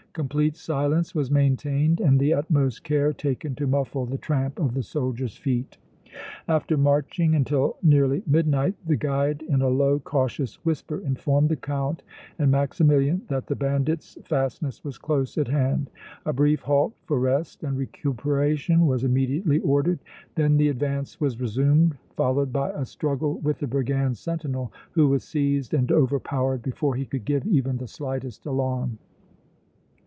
Complete silence was maintained and the utmost care taken to muffle the tramp of the soldiers' feet. After marching until nearly midnight, the guide in a low, cautious whisper informed the Count and Maximilian that the bandits' fastness was close at hand. A brief halt for rest and recuperation was immediately ordered; then the advance was resumed, followed by a struggle with the brigands' sentinel, who was seized and overpowered before he could give even the slightest alarm.